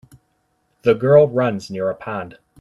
The girl runs near a pond.